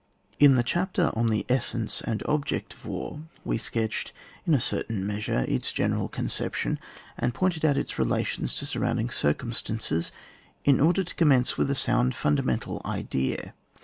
In the chapter on the essence and object of war, we sketched, in a certain measure, its general conception, and pointed out its relations to surrounding circumstances, in order to commence with a sound fun damental idea.